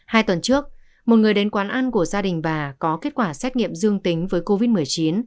hai tuần trước một người đến quán ăn của gia đình bà có kết quả xét nghiệm dương tính với covid một mươi chín